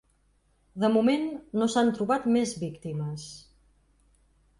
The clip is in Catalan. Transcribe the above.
De moment no s’han trobat més víctimes.